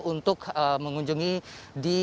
untuk mengunjungi di